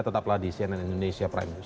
tetaplah di cnn indonesia prime news